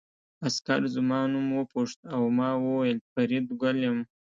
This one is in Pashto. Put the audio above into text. عسکر زما نوم وپوښت او ما وویل فریدګل یم